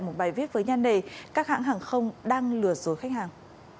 một bài viết với nhan đề các hãng hàng không đang lừa dối khách hàng